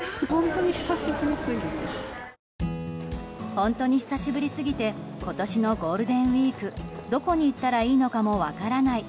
本当に久しぶりすぎて今年のゴールデンウィークどこに行ったらいいのかも分からない